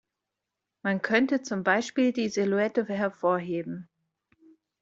Man könnte zum Beispiel die Silhouette hervorheben.